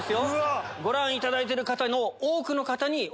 ご覧いただいてる方の。